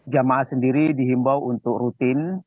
jamaah sendiri dihimbau untuk rutin